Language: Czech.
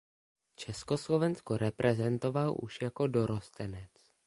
Československo reprezentoval už jako dorostenec.